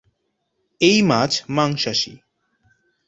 এই মাছ মাংসাশী।